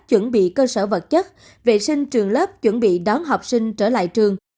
chuẩn bị cơ sở vật chất vệ sinh trường lớp chuẩn bị đón học sinh trở lại trường